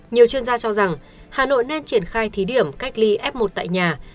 nhiều chuyên gia cho rằng hà nội nên triển khai thí điểm cách ly f một tại nhà